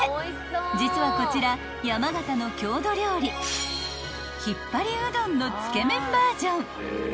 ［実はこちら山形の郷土料理ひっぱりうどんのつけ麺バージョン］